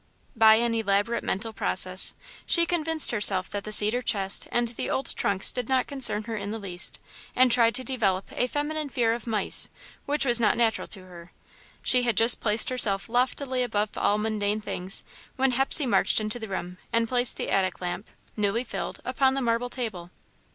By an elaborate mental process, she convinced herself that the cedar chest and the old trunks did not concern her in the least, and tried to develop a feminine fear of mice, which was not natural to her. She had just placed herself loftily above all mundane things, when Hepsey marched into the room, and placed the attic lamp, newly filled, upon the marble table.